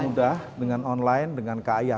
mudah dengan online dengan kaya